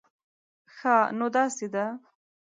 ښه، نو داسې ده